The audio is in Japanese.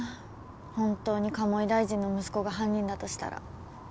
本当に鴨井大臣の息子が犯人だとしたら。